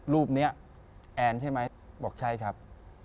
รูปนี้แอนใช่ไหมบอกใช่ครับ